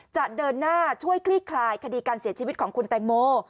จะเดินหน้าช่วยคลี่คลายคดีการเสียชีวิตของคุณแตงโม